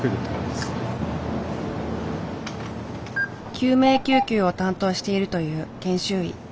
救命救急を担当しているという研修医。